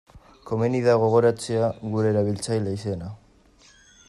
Komeni da gogoratzea geure erabiltzaile izena.